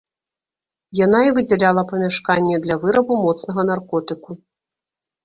Яна і выдзяляла памяшканне для вырабу моцнага наркотыку.